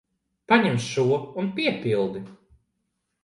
Paņem šo un piepildi.